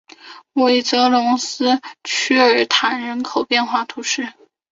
韦泽龙斯屈尔坦人口变化图示